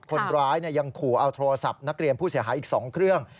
คนร้ายยังขู่เอาโทรศัพท์นักเรียนผู้เสียหายอีก๒เครื่อง